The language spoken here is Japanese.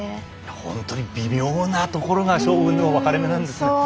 本当に微妙なところが勝負の分かれ目なんですね。